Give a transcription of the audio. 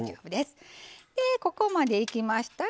ここまでいきましたら